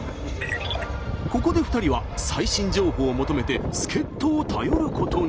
ここで２人は最新情報を求めて助っとを頼ることに。